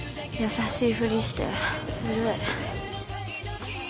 優しいふりしてずるい。